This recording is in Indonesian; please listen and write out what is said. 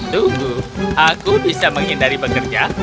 tunggu aku bisa menghindari bekerja